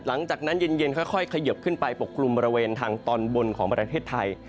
หลังจากนั้นเย็นค่อยเขยิบขึ้นไปปกกลุ่มบริเวณทางตอนบนของประเทศไทย